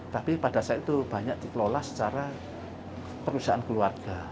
tapi pada saat itu banyak dikelola secara perusahaan keluarga